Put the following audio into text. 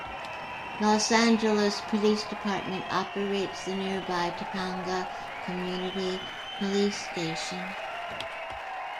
Los Angeles Police Department operates the nearby Topanga Community Police Station.